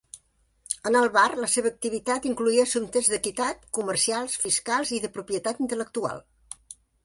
En el bar, la seva activitat incloïa assumptes d'equitat, comercials, fiscals i de propietat intel·lectual.